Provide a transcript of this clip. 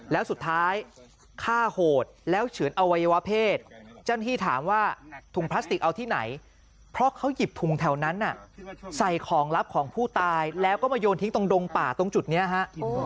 แล้วสุดท้ายฆ่าโหดแล้วเฉือนอวัยวะเพศเจ้าหน้าที่ถามว่าถุงพลาสติกเอาที่ไหนเพราะเขาหยิบถุงแถวนั้นใส่ของลับของผู้ตายแล้วก็มาโยนทิ้งตรงดงป่าตรงจุดนี้ฮะ